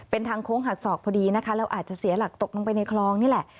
เป็นทางโค้งหักศอกพอดีนะคะแล้วอาจจะเสียหลักตกลงไปในคลองนี่แหละ